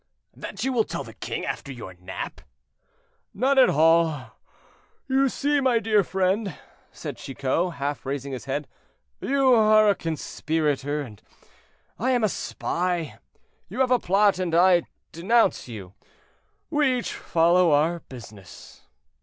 "That you will tell the king after your nap." "Not at all. You see, my dear friend," said Chicot, half raising his head, "you are a conspirator, and I am a spy; you have a plot, and I denounce you; we each follow our business."